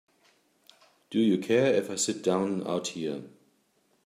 Do you care if I sit down out here?